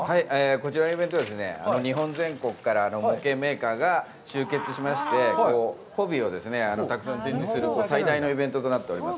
こちらのイベントは、日本全国から模型メーカーが集結しまして、ホビーをたくさん展示する最大のイベントとなっております。